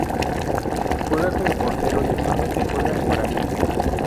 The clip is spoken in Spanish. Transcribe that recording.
Juega como portero y actualmente juega en Guaraní.